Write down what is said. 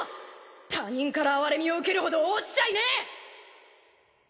他人から哀れみを受けるほど堕ちちゃいねえ！